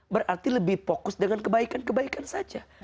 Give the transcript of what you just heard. berarti lebih fokus dengan kebaikan kebaikan saja